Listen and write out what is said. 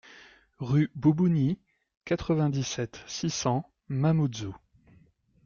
Rue Boubouni, quatre-vingt-dix-sept, six cents Mamoudzou